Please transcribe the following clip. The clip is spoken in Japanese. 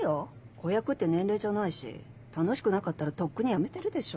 子役って年齢じゃないし楽しくなかったらとっくにやめてるでしょう。